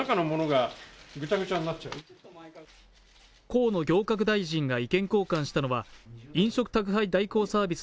河野行革大臣が意見交換したのは飲食宅配代行サービス